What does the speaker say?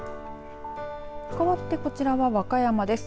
かわってこちらは和歌山です。